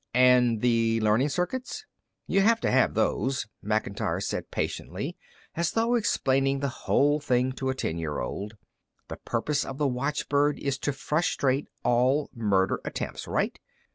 "And the learning circuits?" "You have to have those," Macintyre said patiently, as though explaining the whole thing to a ten year old. "The purpose of the watchbird is to frustrate all murder attempts, right?